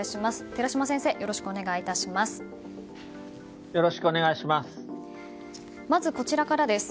寺嶋先生、よろしくお願いします。